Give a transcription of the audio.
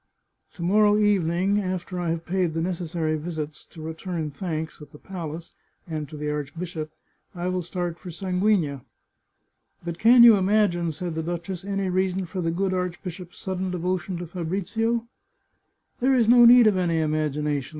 To morrow evening, after I have paid the necessary visits, to return thanks, at the palace, and to the archbishop, I will start for Sanguigna." " But can you imagine," said the duchess, " any reason for the good archbishop's sudden devotion to Fabrizio ?"" There is no need of any imagination.